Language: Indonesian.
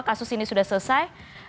kasus ini sudah selesai